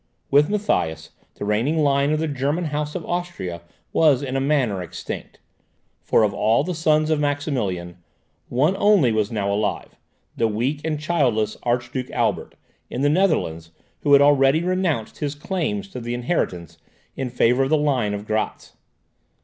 With Matthias, the reigning line of the German House of Austria was in a manner extinct; for of all the sons of Maximilian, one only was now alive, the weak and childless Archduke Albert, in the Netherlands, who had already renounced his claims to the inheritance in favour of the line of Gratz.